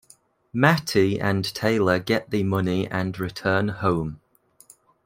Matty and Taylor get the money and return home.